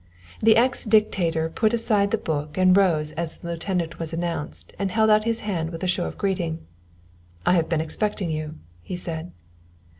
The ex Dictator put aside the book and rose as the lieutenant was announced, and held out his hand with a show of greeting. "I have been expecting you," he said.